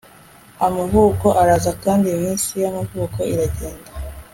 amavuko araza kandi iminsi yamavuko iragenda